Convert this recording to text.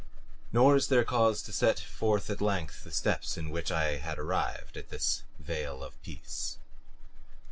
Nor is there cause to set forth at length the steps by which I had arrived at this vale of peace.